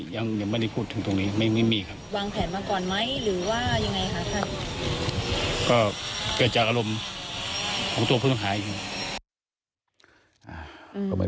ยังไม่ได้พูดถึงตรงนี้ไม่มีครับ